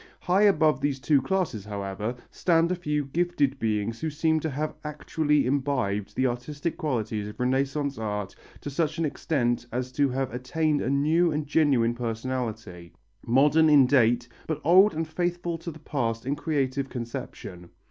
High above these two classes, however, stand a few gifted beings who seem to have actually imbibed the artistic qualities of Renaissance art to such an extent as to have attained a new and genuine personality modern in date but old and faithful to the past in creative conception.